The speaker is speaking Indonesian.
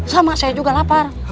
sama saya juga lapar